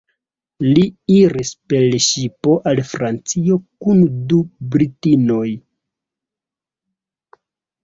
Li iris per ŝipo al Francio kun du britinoj.